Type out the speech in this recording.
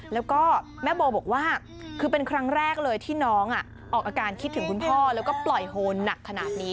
แล้วก็แม่โบบอกว่าคือเป็นครั้งแรกเลยที่น้องออกอาการคิดถึงคุณพ่อแล้วก็ปล่อยโฮนหนักขนาดนี้